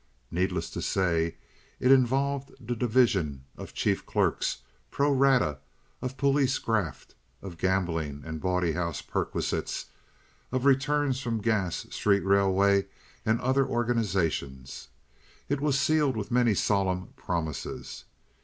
Needless to say, it involved the division of chief clerks, pro rata, of police graft, of gambling and bawdy house perquisites, of returns from gas, street railway, and other organizations. It was sealed with many solemn promises.